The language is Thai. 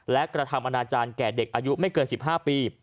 และกระทำอนาจารย์แก่เด็กอายุไม่เกิน๑๕ปี